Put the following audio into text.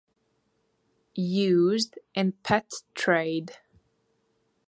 Used in pet trade.